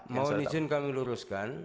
biar izin kami luruskan